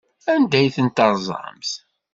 Anda ay ten-terẓamt?